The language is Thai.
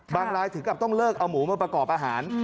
รายถึงกับต้องเลิกเอาหมูมาประกอบอาหาร